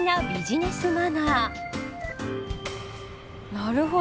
なるほど。